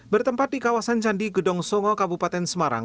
bertempat di kawasan candi gedong songo kabupaten semarang